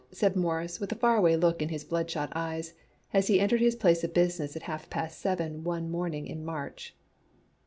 said Morris with a far away look in his bloodshot eyes, as he entered his place of business at half past seven one morning in March.